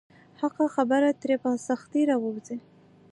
حقه خبره ترې په سختۍ راووځي.